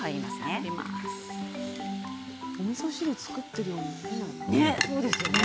おみそ汁を作っているように見えない。